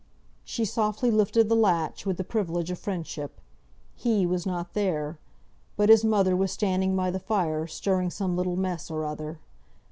She softly lifted the latch, with the privilege of friendship. He was not there, but his mother was standing by the fire, stirring some little mess or other.